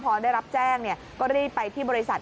พอได้รับแจ้งก็รีบไปที่บริษัท